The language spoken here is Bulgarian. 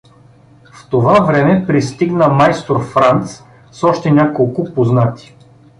В това време пристигна майстор Франц с още няколко познати.